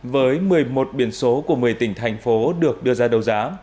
với một mươi một biển số của một mươi tỉnh thành phố được đưa ra đấu giá